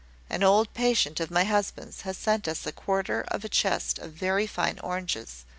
An old patient of my husband's has sent us a quarter of a chest of very fine oranges.